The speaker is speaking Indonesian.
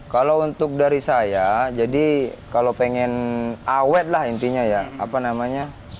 kalau untuk dari saya jadi kalau pengen awet lah intinya ya apa namanya